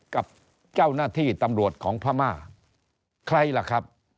กับเจ้าหน้าที่ตำรวจของพม่าใครล่ะครับ